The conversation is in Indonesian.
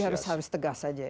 jadi harus tegas saja ya